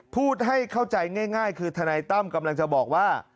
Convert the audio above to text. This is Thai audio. พูดให้เข้าใจง่ายคือทนายตั้มกำลังจะบอกว่า